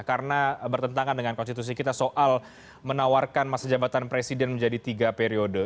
karena bertentangan dengan konstitusi kita soal menawarkan masa jabatan presiden menjadi tiga periode